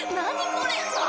これ！